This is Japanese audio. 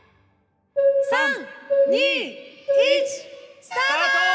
３・２・１スタート！